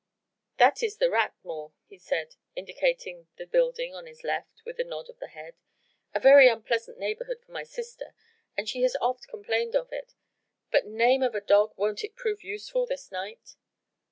"That is the Rat Mort," he said, indicating the building on his left with a nod of the head. "A very unpleasant neighbourhood for my sister, and she has oft complained of it but name of a dog! won't it prove useful this night?"